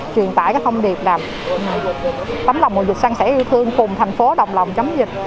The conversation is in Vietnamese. truyền tải cái thông điệp là tấm lòng của người sang sẻ yêu thương cùng thành phố đồng lòng chống dịch